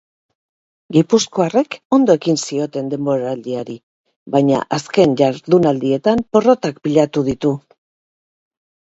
Gipuzkoarrek ondo ekin zioten denboraldiari, baina azken jardunaldietan porrotak pilatu ditu.